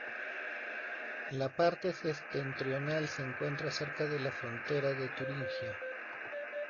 La parte septentrional se encuentra cerca de la frontera de Turingia.